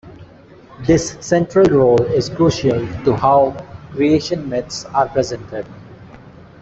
This central role is crucial to how creation myths are presented.